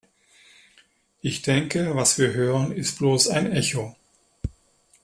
Ich denke, was wir hören, ist bloß ein Echo.